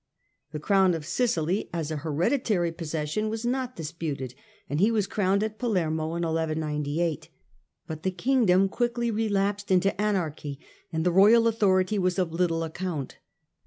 The crown of Sicily, as a hereditary posses sion, was not disputed and he was crowned at Palermo in 1198 ; but the Kingdom quickly relapsed into anarchy and the royal authority was of little account.